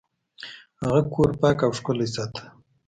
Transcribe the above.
هغه کور پاک او ښکلی ساته.